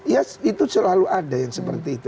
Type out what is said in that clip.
ya itu selalu ada yang seperti itu